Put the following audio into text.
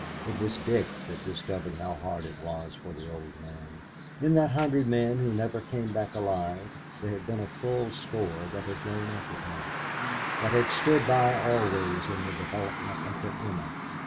It was Dick that discovered how hard it was for the old man. In that hundred men who never came back alive there had been a full score that had grown up with him, that had stood by always in the development of the "Emma."